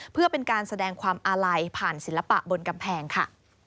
เพื่อเป็นการแสดงความอาลัยผ่านศิลปะบนกำแพงค่ะ